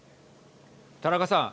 田中さん。